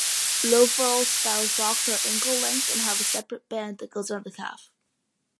Loferl-style socks are ankle-length and have a separate band that goes around the calf.